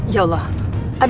ya allah ada apa ini